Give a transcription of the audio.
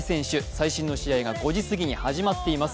最新の試合が５時過ぎに始まっています。